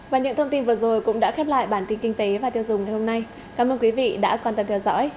và những thông tin vừa rồi cũng đã khép lại bản tin kinh tế và tiêu dùng ngày hôm nay cảm ơn quý vị đã quan tâm theo dõi